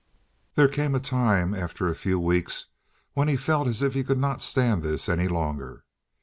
There came a time, after a few weeks, when he felt as if he could not stand this any longer.